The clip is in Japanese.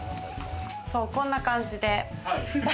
こんな感じで。